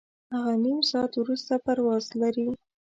هغه نیم ساعت وروسته پرواز لري.